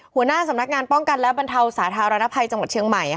หัวหน้าสำนักงานป้องกันและบรรเทาสาธารณภัยจังหวัดเชียงใหม่